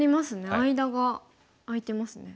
間が空いてますね。